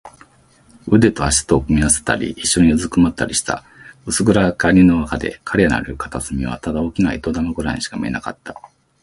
腕と脚とを組み合わせたり、いっしょにうずくまったりした。薄暗がりのなかで、彼らのいる片隅はただ大きな糸玉ぐらいにしか見えなかった。